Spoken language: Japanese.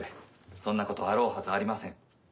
そんなことあろうはずありません。